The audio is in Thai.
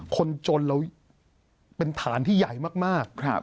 คนจนเราเป็นฐานที่ใหญ่มาก